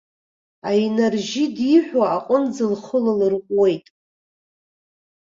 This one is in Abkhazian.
Аинар-жьи диҳәо аҟынӡа лхы лалырҟәуеит.